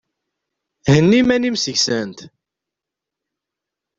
Henni iman-im seg-sent!